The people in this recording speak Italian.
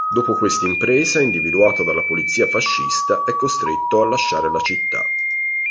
Dopo questa impresa, individuato dalla polizia fascista, è costretto a lasciare la città.